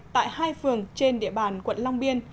tại hai phường trên địa bàn quận long biên